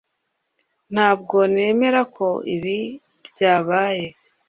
Ntabwo nemera ko ibi byabaye